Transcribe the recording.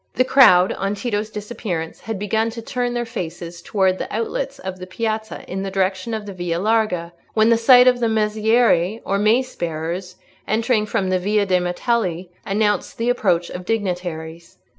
The crowd, on Tito's disappearance, had begun to turn their faces towards the outlets of the piazza in the direction of the Via Larga, when the sight of mazzieri, or mace bearers, entering from the Via de' Martelli, announced the approach of dignitaries.